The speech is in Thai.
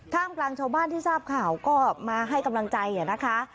กลางชาวบ้านที่ทราบข่าวก็มาให้กำลังใจนะคะ